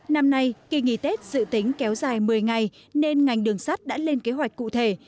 năm nay kỳ nghỉ tết dự tính kéo dài một mươi ngày nên ngành đường sắt đã lên kế hoạch cụ thể